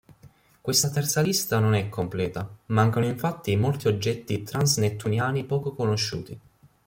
Questa terza lista non è completa, mancano infatti molti oggetti transnettuniani poco conosciuti.